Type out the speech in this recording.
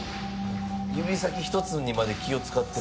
指先１つにまで気を使って。